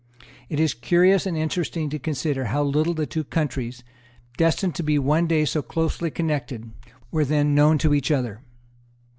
It is curious and interesting to consider how little the two countries, destined to be one day so closely connected, were then known to each other.